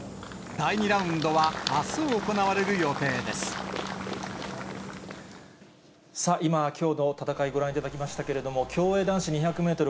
第２ラウンドはあす行われる予定さあ、今、きょうの戦い、ご覧いただきましたけれども、競泳男子２００メートル